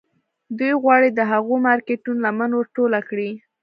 دوی غواړي د هغو مارکيټونو لمن ور ټوله کړي.